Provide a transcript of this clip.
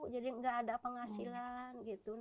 jadi tidak ada penghasilan